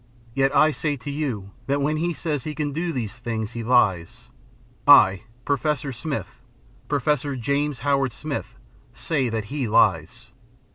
Yet I say to you, that when he says he can do these things, he lies. I, Professor Smith, Professor James Howard Smith, say that he lies.